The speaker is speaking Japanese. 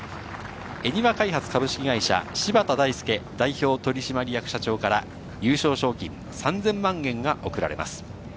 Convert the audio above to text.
恵庭開発株式会社・柴田大介代表取締役社長から、優勝賞金３０００万円が贈られます。